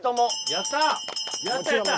やったやった！